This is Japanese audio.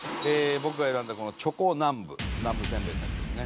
僕が選んだチョコ南部南部せんべいのやつですね